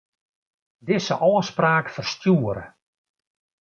Dizze ôfspraak ferstjoere.